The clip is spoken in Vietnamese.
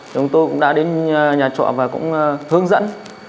chúng tôi cũng đã đến nhà trọ và cũng hướng dẫn